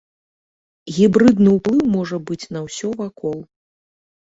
Гібрыдны ўплыў можа быць на ўсё вакол.